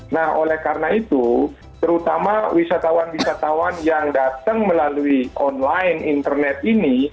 nah oleh karena itu terutama wisatawan wisatawan yang datang melalui online internet ini